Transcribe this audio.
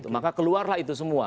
maka keluarlah itu semua